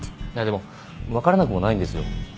でも分からなくもないんですよ。